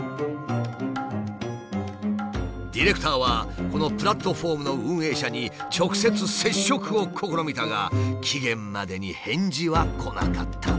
ディレクターはこのプラットフォームの運営者に直接接触を試みたが期限までに返事は来なかった。